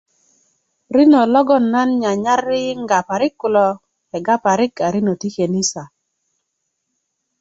rinö logoŋ nan nyanyar yiyiŋga parik kulo kegga parik a rinö ti kanisa